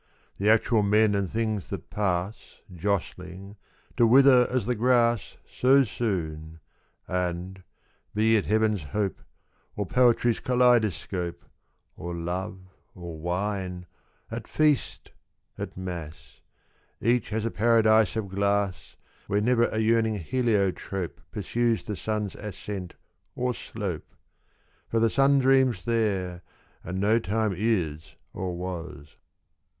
— The actual men and things that pass, Jostling, to wither as the grass So soon : and — be it heaven's hope, Or poetry's kaleidoscope, Or love, or wine, at feast, at mass — Each has a paradise of glass Where never a yearning heliotrope Pursues the sun's ascent or slope ; For the sun dreams there and no time is or was.